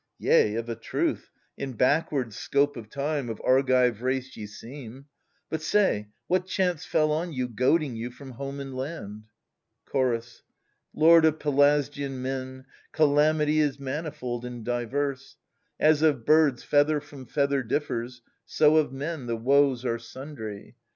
Yea of a truth, in backward scope of time, Of Argive race ye seem : but say what chance Fell on you, goading you from home and land ? Chorus. Lord of Pelasgian men, calamity 4^V*o Is manifold and diverse ; as of birds Feather from feather differs, so of men The woes are sundry.